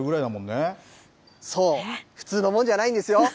そう、普通のものじゃないんですよ。